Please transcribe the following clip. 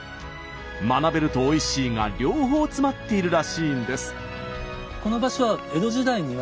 「学べる」と「おいしい」が両方詰まっているらしいんです。